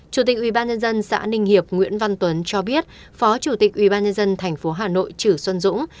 chủ tịch ubnd xã ninh hiệp nguyễn văn tuấn cho biết phó chủ tịch ubnd tp hà nội chử xuân dũng